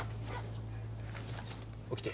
起きて。